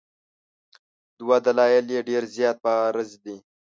دوه دلایل یې ډېر زیات بارز دي.